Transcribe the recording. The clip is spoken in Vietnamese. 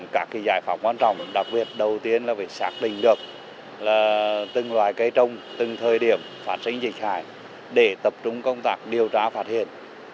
các giải pháp quan trọng đặc biệt đầu tiên là phải xác định được từng loài cây trồng từng thời điểm phát sinh dịch hại để tập trung công tác điều tra phát hiện